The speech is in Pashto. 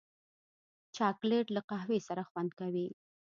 چاکلېټ له قهوې سره خوند کوي.